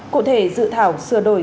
cụ thể dự thảo sửa đổi